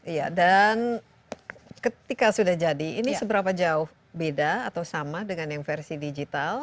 iya dan ketika sudah jadi ini seberapa jauh beda atau sama dengan yang versi digital